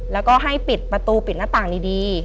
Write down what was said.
แล้วก็ให้ปิดประตูปิดหน้าต่างดี